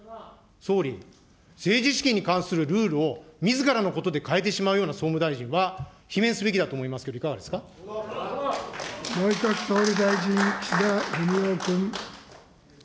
総理、政治資金に関するルールをみずからのことで変えてしまうような総務大臣は罷免すべきだと思内閣総理大臣、岸田文雄君。